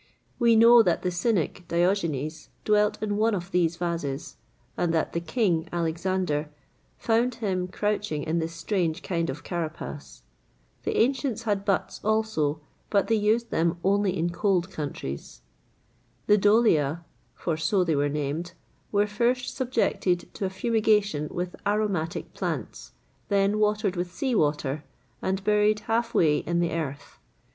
[XXVIII 71] We know that the cynic, Diogenes, dwelt in one of these vases; and that the king, Alexander, found him crouching in his strange kind of carapace.[XXVIII 72] The ancients had butts also, but they used them only in cold countries.[XXVIII 73] The Dolia for so they were named were first subjected to a fumigation with aromatic plants; then watered with sea water, and buried half way in the earth.